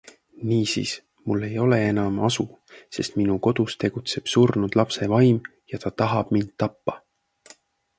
Niisiis, mul ei ole enam asu, sest minu kodus tegutseb surnud lapse vaim ja ta tahab mind tappa.